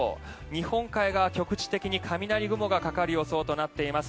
日本海側、局地的に雷雲がかかる予想となっています。